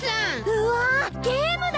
・うわゲームだ！